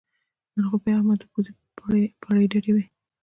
نن خو بیا د احمد پوزې پرې ډډې وې